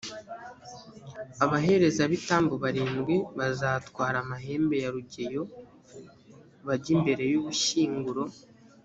abaherezabitambo barindwi bazatwara amahembe ya rugeyo, bajye imbere y’ubushyinguro.